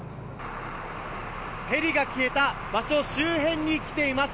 ヘリが消えた場所周辺にきています。